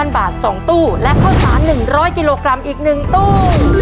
๐บาท๒ตู้และข้าวสาร๑๐๐กิโลกรัมอีก๑ตู้